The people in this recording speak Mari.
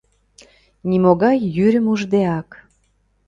Нимогай йӱрым уждеак.